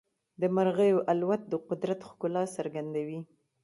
د مرغیو الوت د قدرت ښکلا څرګندوي.